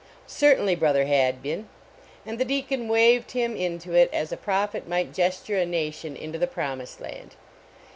"Certainly, Brother Hadbin," and the deacon waved him into it as a prophet might gesture a nation into the promised land.